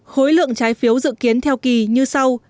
khối lượng trái phiếu dự kiến theo kỳ như sau